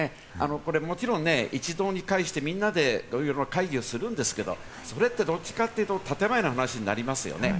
これ、もちろん一堂に会して、みんなで会議をするんですけれども、それってどっちかっていうと建前の話になりますよね。